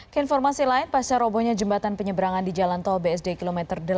ke informasi lain pasca robonya jembatan penyeberangan di jalan tol bsd km delapan